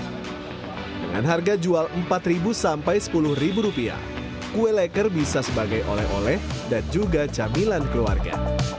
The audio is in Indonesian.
dengan harga jual rp empat sampai sepuluh rupiah kue leker bisa sebagai oleh oleh dan juga camilan keluarga